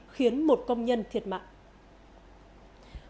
khiến một công nhân thiệt mạng